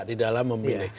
di dalam memilih